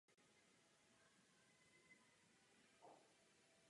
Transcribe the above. Nestačí stanovit ambiciózní plány obnovitelné energie a ochrany životního prostředí.